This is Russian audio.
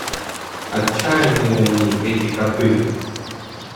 Отчаянные они, эти коты!